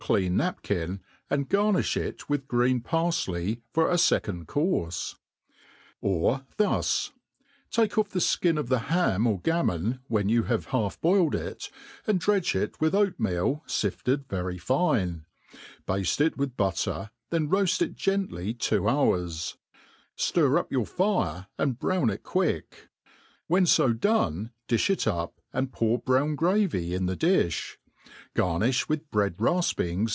c/ean napkin, and garriiih it with green parfley for a fecond courfe. Or thus : Take off the flcin of the ham or gammon, when you have half boiled it, ^nd dredge it with oatmeal fifted very fine, bafte it with butter, then roafl it gently two hours ; fllr up your fire and brown it quick; when I9 done difh it up, and pour broyirii gravy in the difl}. Garnifh with bread rafpings.